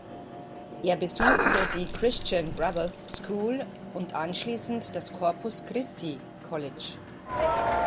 Er besuchte die Christian Brothers School und anschließend das Corpus Christi College.